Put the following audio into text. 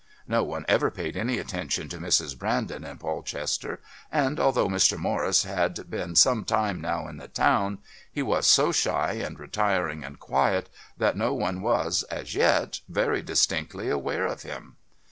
No one ever paid any attention to Mrs. Brandon in Polchester, and although Mr. Morris had been some time now in the town, he was so shy and retiring and quiet that no one was, as yet, very distinctly aware of him.